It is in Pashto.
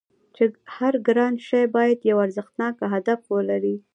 چې هر ګران شی باید یو ارزښتناک هدف ولري